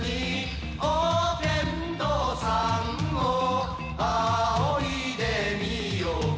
「おてんとうさんを仰いでみようか」